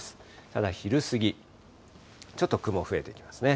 ただ、昼過ぎ、ちょっと雲増えていますね。